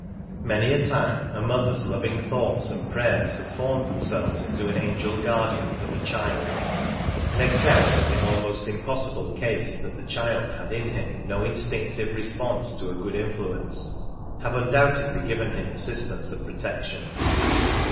Many a time a mother's loving thoughts and prayers have formed themselves into an angel guardian for the child, and except in the almost impossible case that the child had in him no instinct responsive to a good influence, have un doubtedly given him assistance and protection.